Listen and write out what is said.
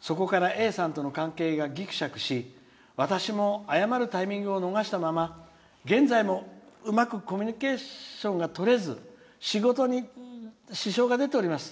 そこからＡさんとの関係がギクシャクし、私も謝るタイミングを逃したまま現在もうまくコミュニケーションがとれず仕事に支障が出ております。